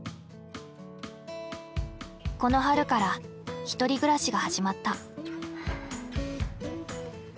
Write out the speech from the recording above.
この春から１人暮らしが始まった。